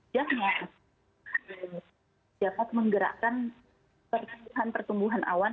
jamnya dapat menggerakkan pertumbuhan pertumbuhan awan